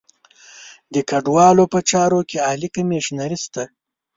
د کډوالو په چارو کې عالي کمیشنري شته.